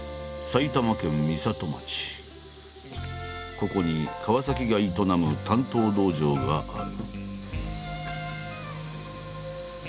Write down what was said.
ここに川が営む鍛刀道場がある。